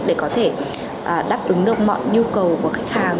để có thể đáp ứng được mọi nhu cầu của khách hàng